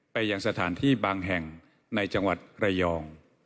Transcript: ไปยังสถานที่บางแห่งในจังหวัดระยอง